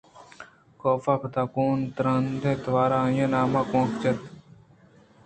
کاف ءَ پدا گوں ترٛندیں توارءَ آئی ءِ نام گوانک جت